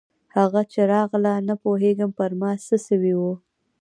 هغه چې راغله نه پوهېږم پر ما څه سوي وو.